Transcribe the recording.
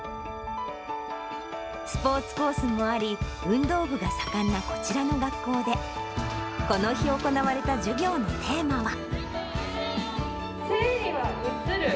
スポーツコースもあり、運動部が盛んなこちらの学校で、この日、行われた授業のテーマは。